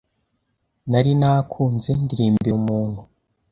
nari nakunze ndirimbira umuntu